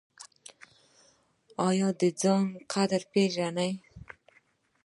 ایا د ځان قدر پیژنئ؟